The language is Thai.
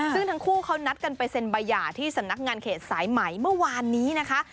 ซึ่งทั้งคู่เขานัดกันไปเซ็นใบหย่าที่สำนักงานเขตสายไหมเมื่อวานนี้นะคะ